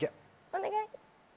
お願い！